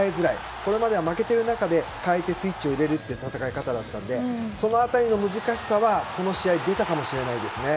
これまでは負けている中で変えてスイッチを入れるという戦い方だったのでその辺りの難しさはこの試合出たかもしれないですね。